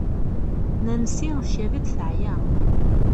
Nancy tkad-d teɛya.